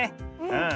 うん。